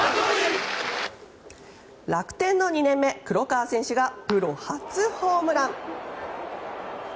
楽天２年目の黒川選手がプロ初ホームラン。